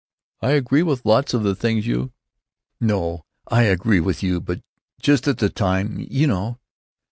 "I agree with lots of the things you——" "No, I agree with you, but just at the time—you know."